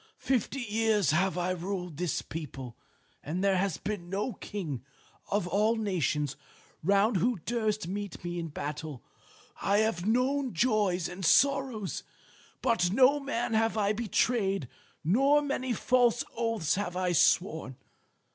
Fifty years have I ruled this people, and there has been no king of all the nations round who durst meet me in battle. I have known joys and sorrows, but no man have I betrayed, nor many false oaths have I sworn.